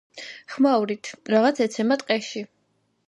ხმაურით რაღაც ეცემა ტყეში.